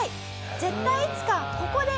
「絶対いつかここで走る！」と。